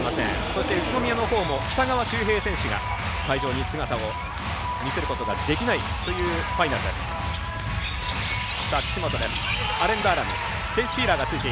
そして宇都宮のほうも喜多川修平選手が会場に姿を見せることができないというファイナルです。